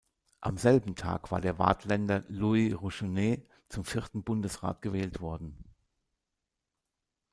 Am selben Tag war der Waadtländer Louis Ruchonnet zum vierten Bundesrat gewählt worden.